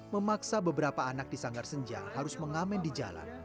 memaksa beberapa anak di sanggar senja harus mengamen di jalan